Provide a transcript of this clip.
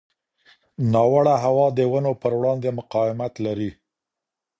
ناوړه هوا د ونو پر وړاندې مقاومت لري.